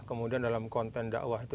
kemudian dalam konten dakwah itu